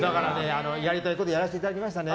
やりたいことやらせていただきましたね。